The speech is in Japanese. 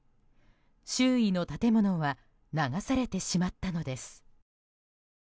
周囲の建物は流されてしまったのです。